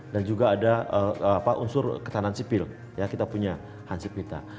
dan juga ada apa unsur ketahanan sipil ya kita punya hansipita